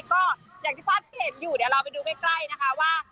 ก็อย่างที่ภาพที่เห็นอยู่เดี๋ยวเราไปดูใกล้นะคะว่า